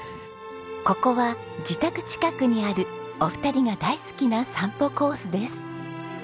ここは自宅近くにあるお二人が大好きな散歩コースです。